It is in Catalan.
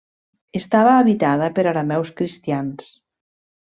Estava habitada per arameus cristians.